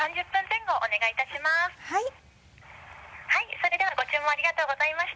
それではご注文ありがとうございました。